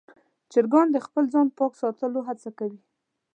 چرګان د خپل ځان پاک ساتلو هڅه کوي.